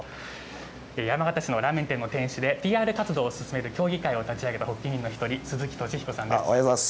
山形市のラーメン店の店主で、ＰＲ活動を進める協議会の発起人の一人、鈴木敏彦さんです。